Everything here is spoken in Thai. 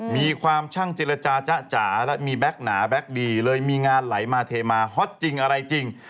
มีความช่างเจรจาจ๊ะจ๋าและมีแก๊กหนาแบ็คดีเลยมีงานไหลมาเทมาฮอตจริงอะไรจริง